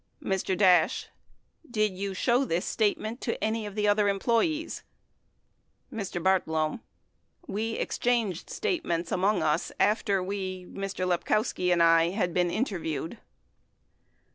Mr. Dash. Did you show this statement to any of the other employees ? Mr. Bartlome. We exchanged statements among us after we — Mr. Lepkowski and I — had been interviewed.